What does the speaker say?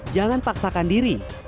jangan paksakan diri